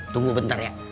tunggu bentar ya